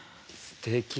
すてき。